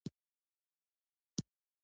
که ذهن ودرېږي، وده ختمېږي.